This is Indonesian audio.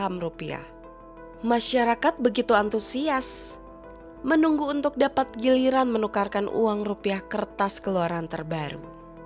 masyarakat begitu antusias menunggu untuk dapat giliran menukarkan uang rupiah kertas keluaran terbaru